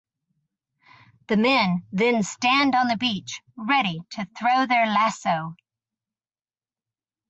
The men then stand on the beach ready to throw their lasso.